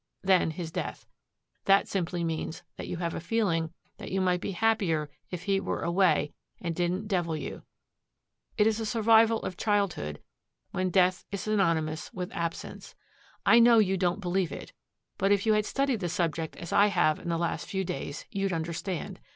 Then his death. That simply means that you have a feeling that you might be happier if he were away and didn't devil you. It is a survival of childhood, when death is synonymous with absence. I know you don't believe it. But if you had studied the subject as I have in the last few days you'd understand.